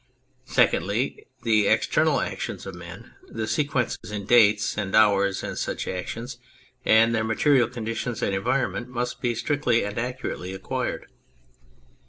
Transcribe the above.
Secondly, the external actions of men, the sequence in dates and hours of such actions, and their material conditions and environment must be strictly and accurately acquired.